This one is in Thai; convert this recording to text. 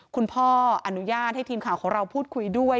คุณพ่ออนุญาตให้ทีมข่าวของเราพูดคุยด้วย